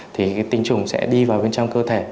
thì tinh trùng sẽ đi vào bên trong cơ thể